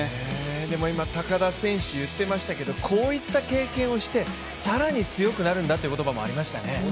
でも今、高田選手言っていましたけどこういった経験をして更に強くなるんだという言葉もありましたね。